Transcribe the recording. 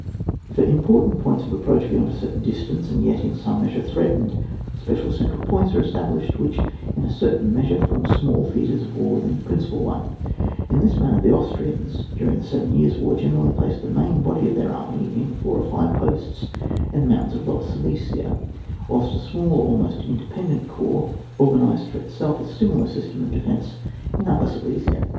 For important points of approach, beyond a certain distance, and yet in some measure threatened, special central points are established which, in a certain measure, form small theatres of war within the principal ona In this manner the Austrians, during the ISeven Tears' War, generally placed the main body of their army, in four or five posts in the mountains of Lower Silesia; whilst a small almost independent corps or ganised for itself a similar system of defence in Upper Silesia.